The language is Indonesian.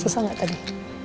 susah gak tadi